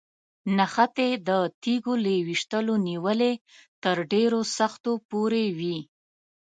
نښتې د تیږو له ویشتلو نیولې تر ډېرو سختو پورې وي.